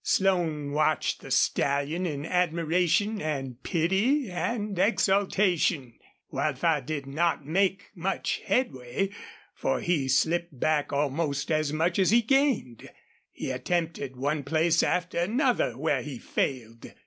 Slone watched the stallion in admiration and pity and exultation. Wildfire did not make much headway, for he slipped back almost as much as he gained. He attempted one place after another where he failed.